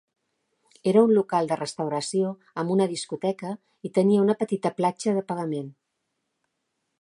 Era un local de restauració amb una discoteca i tenia una petita platja de pagament.